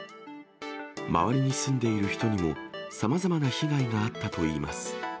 周りに住んでいる人にも、さまざまな被害があったといいます。